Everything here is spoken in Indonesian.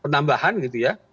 penambahan gitu ya